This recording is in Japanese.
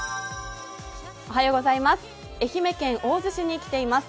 愛媛県大洲市に来ています。